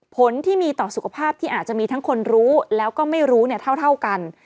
ผลที่มีต่อสุขภาพที่อาจจะมีทั้งคนรู้แล้วก็ไม่รู้เท่ากัน